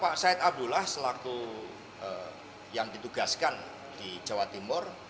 pak said abdullah selaku yang ditugaskan di jawa timur